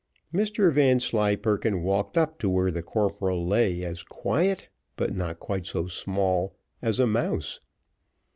Mr Vanslyperken walked up to where the corporal lay as quiet, but not quite so small, as a mouse.